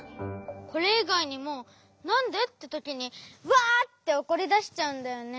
これいがいにも「なんで？」ってときにわっておこりだしちゃうんだよね。